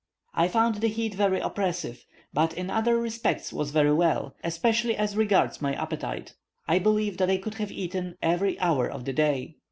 I found the heat very oppressive, but in other respects was very well, especially as regards my appetite: I believe that I could have eaten every hour of the day.